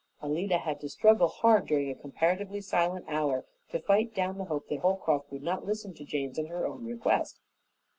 Alida had to struggle hard during a comparatively silent hour to fight down the hope that Holcroft would not listen to Jane's and her own request.